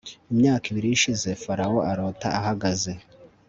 imyaka ibiri ishize farawo arota ahagaze